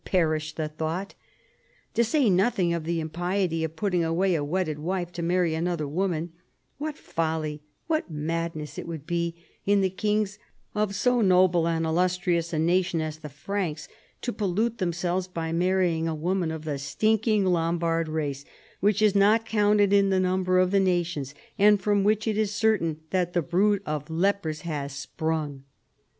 Perish the thought ! To say nothing of the impiety of putting away a Avedded wife to marry another woman, Avhat folly, wiiat madness it would be in tlie kings of so no noble and illustrious a nation as the Franks to pollute them selves by marrying a woman of the stinking Lom bard race, which is not counted in the number of the nations, and from which it is certain that the brood of lepers has sprung